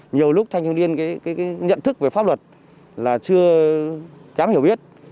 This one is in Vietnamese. nhiều lúc thanh thiếu niên nhận thức về pháp luật là chưa kém hiểu biết